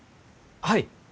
はい。